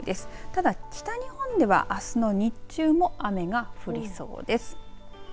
ただ、北日本ではあすの日中も雨が降りそうです。